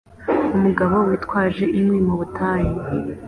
Umugabo witwaje inkwi mu butayu